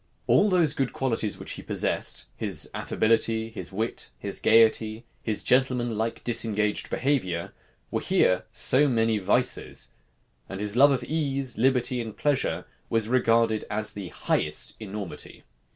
All those good qualities which he possessed, his affability, his wit, his gayety, his gentleman like, disengaged behavior, were here so many vices; and his love of ease, liberty, and pleasure, was regarded as the highest enormity.